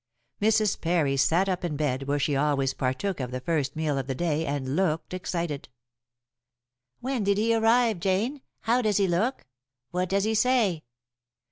Mrs. Parry sat up in bed, where she always partook of the first meal of the day, and looked excited. "When did he arrive, Jane? How does he look? What does he say?"